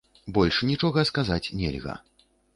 Больш нічога сказаць нельга.